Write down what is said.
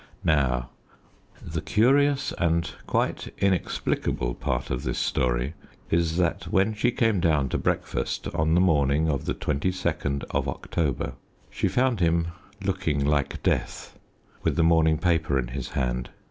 Now the curious and quite inexplicable part of this story is that when she came down to breakfast on the morning of the 22nd of October she found him looking like death, with the morning paper in his hand.